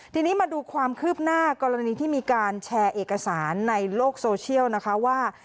ทีนี้มาดูความคืบหน้ากรณีที่มีการแชร์เอกสารในโลกโซเชียลนะคะว่า